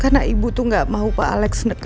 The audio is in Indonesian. karena ibu tuh gak mau pak alex neken kamu